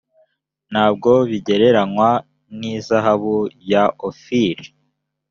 ntabwo bugereranywa n’izahabu ya ofiri